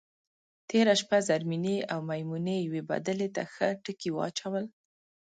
تېره شپه زرمېنې او میمونې یوې بدلې ته ښه ټکي واچول.